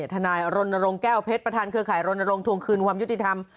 ทนายรณรงค์แก้วเพชรประธานเครือข่ายรณรงควงคืนความยุติธรรม